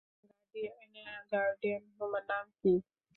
Guardian, তোমার নাম কী?